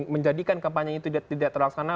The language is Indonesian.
menjadikan kampanye itu tidak terlaksana